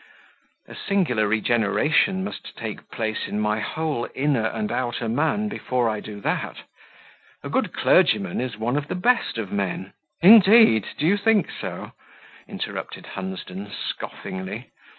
"A singular regeneration must take place in my whole inner and outer man before I do that. A good clergyman is one of the best of men." "Indeed! Do you think so?" interrupted Hunsden, scoffingly.